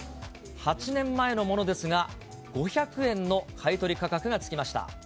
８年前のものですが、５００円の買い取り価格がつきました。